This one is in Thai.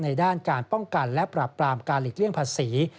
ด้านการป้องกันและปรับปรามการหลีกเลี่ยงภาษี